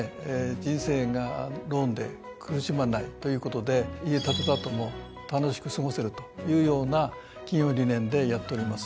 人生がローンで苦しまないということで家建てた後も楽しく過ごせるというような企業理念でやっております。